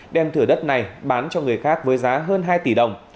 đem thửa đất này bán cho người khác với giá hơn hai tỷ đồng